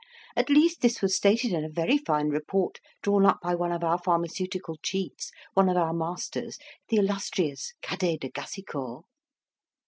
At least, this was stated in a very fine report drawn up by one of our pharmaceutical chiefs, one of our masters, the illustrious Cadet de Gassicourt!"